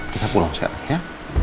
kita pulang sekarang ya